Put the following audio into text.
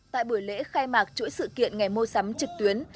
tại buổi lễ khai mạc chuỗi sự kiện ngày mua sắm trực tuyến